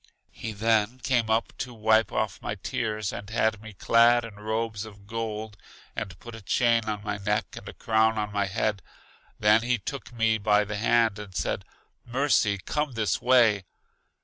He then came up to wipe off my tears and had me clad in robes of gold, and put a chain on my neck, and a crown on my head. Then he took me by the hand and said, Mercy, come this way.